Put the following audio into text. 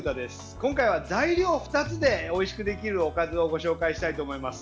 今回は材料２つでおいしくできるおかずをご紹介したいと思います。